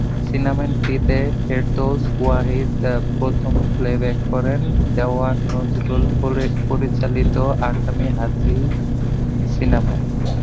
সিনেমাতে ফেরদৌস ওয়াহিদ প্রথম প্লে-ব্যাক করেন দেওয়ান নজরুল পরিচালিত ‘আসামী হাজির’ সিনেমায়।